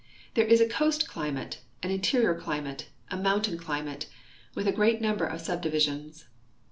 There is a coast climate, an interior valley climate, and a mountain climate, with a great number of subdivisions.